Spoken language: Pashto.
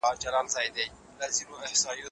اقتصادي خوځښت هیڅکله په ټپه نه دریږي.